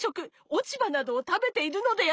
おちばなどをたべているのでやす。